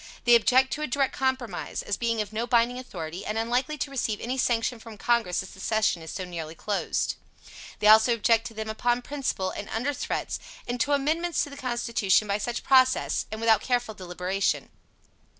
They object to a Direct compromise, as being of no binding authority, and unlikely to receive any sanction from Congress as the session is so nearly closed. They also object to them upon principle, and under threats, and to amendments to the Constitution by such process, and without careful deliberation.